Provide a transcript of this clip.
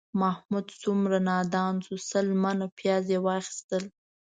محمود څومره نادان شو، سل منه پیاز یې واخیستل